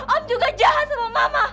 om juga jahat sama mama